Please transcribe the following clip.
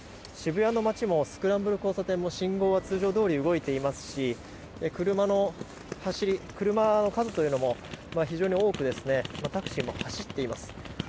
渋谷の街もスクランブル交差点も信号は通常どおり動いていますし車の走り、車の数というのも非常に多くタクシーも走っています。